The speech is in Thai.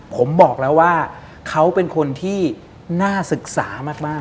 ผมบอกแล้วว่าเขาเป็นคนที่น่าศึกษามาก